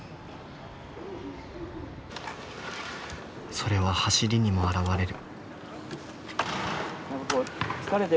それは走りにも表れる。